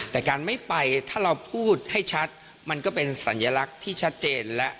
แต่การไม่ไปถ้าเราพูดให้ชัดมันก็เป็นสัญลักษณ์ที่ชัดเจนและ